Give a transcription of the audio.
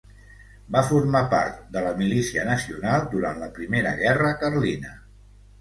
Va formar part de la Milícia Nacional durant la Primera Guerra Carlina.